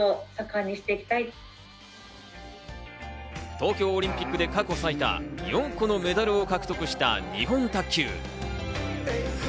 東京オリンピックで過去最多、４個のメダルを獲得した日本卓球。